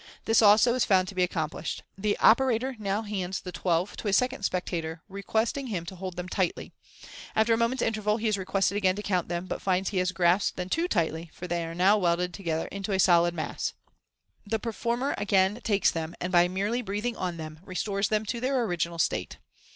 This, also, is found to be accomplished. The operator now hands the twelve to a second spectator, requesting him to hold them tightly. After a moment's interval, he is requested again to count them, but finds that he has grasped them too tightly, for they are now welded MODERN MAGIC. i8l together into a solid mass. The performer again takes them, and by merely breathing on them, restores them to their original state.